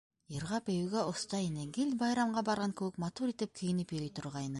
Йырға-бейеүгә оҫта ине, гел байрамға барған кеүек матур итеп кейенеп йөрөй торғайны.